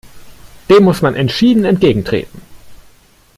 Dem muss man entschieden entgegentreten!